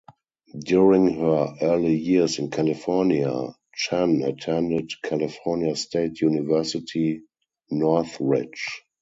During her early years in California, Chen attended California State University, Northridge.